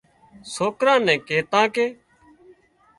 سوڪران نين ڪيتان ڪي